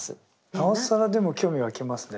なおさらでも興味湧きますね。